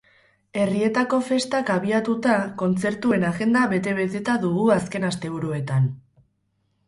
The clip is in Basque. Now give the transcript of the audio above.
Herrietako festak abiatuta, kontzertuen agenda bete-beteta dugu azken asteburuetan.